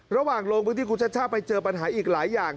ระหว่างโรงพยาบาลวิทยุคุณชัชชาไปเจอปัญหาอีกหลายอย่าง